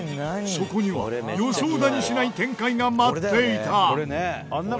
そこには予想だにしない展開が待っていた！